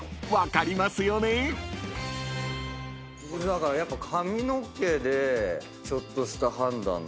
だからやっぱ髪の毛でちょっとした判断だよね。